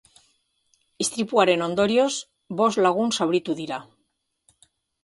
Istripuaren ondorioz, bost lagun zauritu dira.